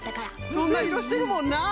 そんないろしてるもんな！